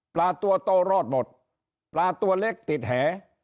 ตัวโตรอดหมดปลาตัวเล็กติดแห